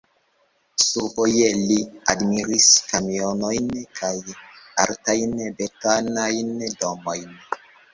Survoje li admiris kamionojn kaj altajn betonajn domojn.